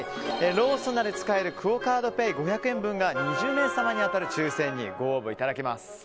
ローソンなどで使えるクオ・カードペイ５００円分が２０名様に当たる抽選にご応募いただけます。